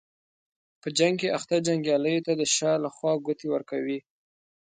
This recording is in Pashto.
په جنګ کې اخته جنګیالیو ته د شا له خوا ګوتې ورکوي.